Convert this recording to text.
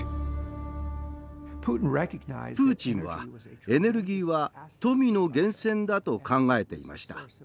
プーチンはエネルギーは富の源泉だと考えていました。